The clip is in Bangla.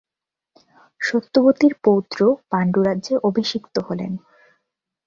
সত্যবতীর পৌত্র পাণ্ডু রাজ্যে অভিষিক্ত হলেন।